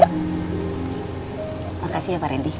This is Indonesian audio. terima kasih ya pak randy